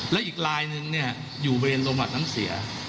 และอีกลายหนึ่งอยู่เวรโรงประบัติน้ำเสีย